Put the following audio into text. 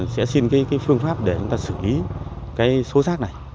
sẽ xin phương pháp để chúng ta xử lý số rác này